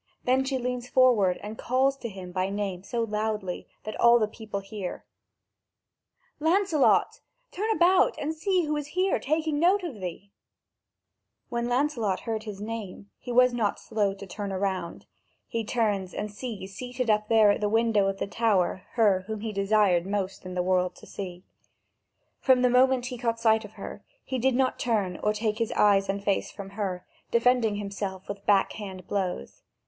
Then she leans forward and calls to him by name so loudly that all the people hear: "Lancelot, turn about and see who is here taking note of thee!" (Vv. 3685 3954.) When Lancelot heard his name, he was not slow to turn around: he turns and sees seated up there at the window of the tower her whom he desired most in the world to see. From the moment he caught sight of her, he did not turn or take his eyes and face from her, defending himself with backhand blows.